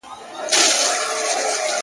o کليوال ژوند نور هم ګډوډ او بې باورې کيږي,